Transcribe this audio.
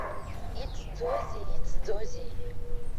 Иҵӡозеи, иҵӡозеи!